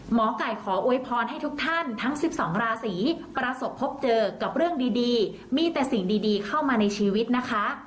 หมอไก่ขอโวยพรให้ทุกท่านทั้ง๑๒ราศีประสบพบเจอกับเรื่องดีมีแต่สิ่งดีเข้ามาในชีวิตนะคะ